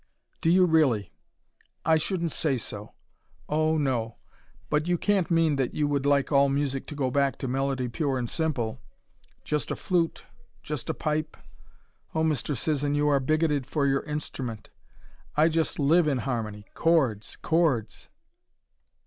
"Do you really? I shouldn't say so: oh, no but you can't mean that you would like all music to go back to melody pure and simple! Just a flute just a pipe! Oh, Mr. Sisson, you are bigoted for your instrument. I just LIVE in harmony chords, chords!"